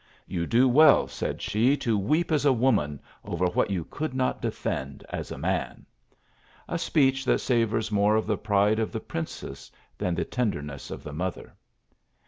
" You do well," said she, " to weep as a woman over what you could not defend as a man !" A speech that savours more of the pride of the princess, than the tenderness of the mother.